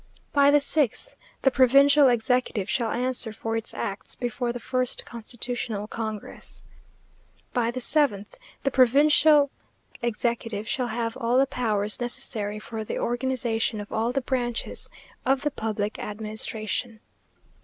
By the sixth The provincial executive shall answer for its acts before the first constitutional congress. By the seventh The provincial executive shall have all the powers necessary for the organization of all the branches of the public administration.